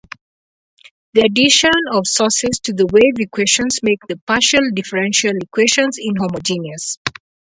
The addition of sources to the wave equations makes the partial differential equations inhomogeneous.